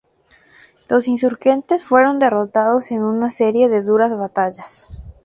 Los insurgentes fueron derrotados en una serie de duras batallas.